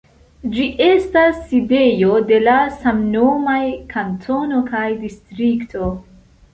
Ĝi estas sidejo de la samnomaj kantono kaj distrikto.